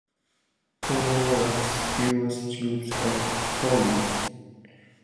For lower ranks, fewer such groups are Hurwitz.